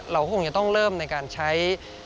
เราก็คงจะต้องเริ่มในการใช้